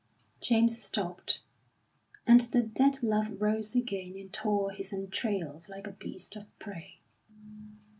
James stopped, and the dead love rose again and tore his entrails like a beast of prey.